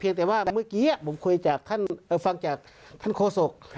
เพียงแต่ว่าเมื่อกี้ผมฟังจากท่านโฆษก